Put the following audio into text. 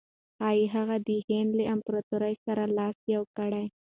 ښایي هغه د هند له امپراطور سره لاس یو کړي.